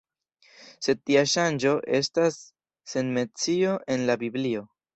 Sed tia ŝanĝo estas sen mencio en la Biblio.